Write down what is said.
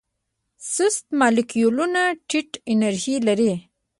سست مالیکولونه ټیټه انرژي لري.